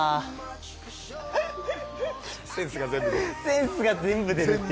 センスが全部出る。